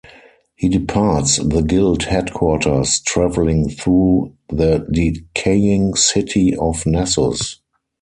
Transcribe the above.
He departs the guild headquarters, traveling through the decaying city of Nessus.